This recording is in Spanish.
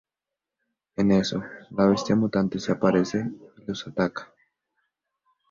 En eso, la bestia mutante se les aparece y los ataca.